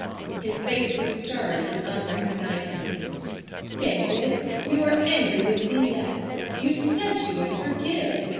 His face was stern and unrecognizing. "David, you are angry with me yet! You said you would forgive!"